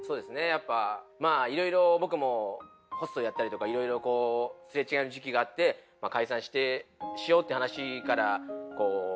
やっぱまあいろいろ僕もホストをやったりとかいろいろこうすれ違いの時期があって解散してしようっていう話からピスタチオが生まれて。